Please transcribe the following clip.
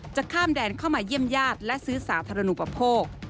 จะข้ามแดนเข้ามาเยี่ยมญาติและซื้อสาธารณูปโภค